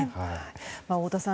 太田さん